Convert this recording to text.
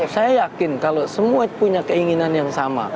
saya yakin kalau semua punya keinginan yang sama